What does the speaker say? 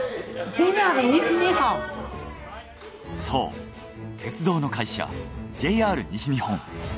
そう鉄道の会社ＪＲ西日本。